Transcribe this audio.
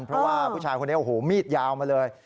เพราะว่าผู้ชายคนนี้โอ้โหมีดยาวมาเลย